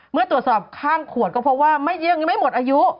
เมื่อตรวจสอบข้างขวดก็เพราะว่าไม่เยี่ยมยังไม่หมดอายุ